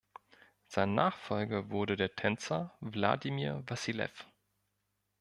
Sein Nachfolger wurde der Tänzer Wladimir Wassilew.